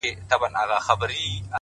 پرېږده دا زخم زړه ـ پاچا وویني؛